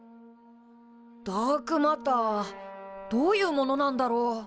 ダークマターどういうものなんだろう？